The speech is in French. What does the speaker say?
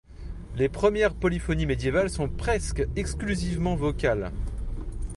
Les premières polyphonies médiévales sont presque exclusivement vocales.